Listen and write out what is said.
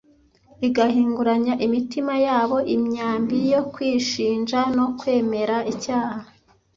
igahinguranya imitima yabo imyambi yo kwishinja no kwemera icyaha.